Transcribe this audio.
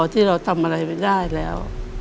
ที่เราทำอะไรไม่ได้แล้ว